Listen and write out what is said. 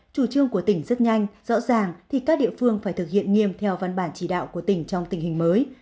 chủ trương của tỉnh rất nhanh rõ ràng thì các địa phương phải thực hiện nghiêm theo văn bản chỉ đạo của tỉnh trong tình hình mới